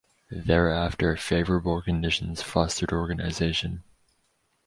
Thereafter favorable conditions fostered organization.